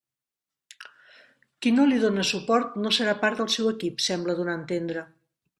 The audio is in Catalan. Qui no li done suport no serà part del seu equip, sembla donar a entendre.